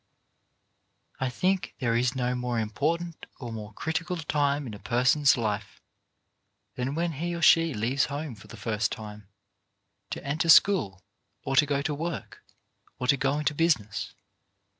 I think there is no more important or more critical time in a person's life than when he or she leaves home for the first time, to enter school, or to go to work, or to go into business.